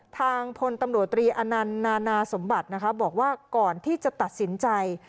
ทางพลตำรวจตรีอนันต์นานาสมบัตินะคะบอกว่าก่อนที่จะตัดสินใจ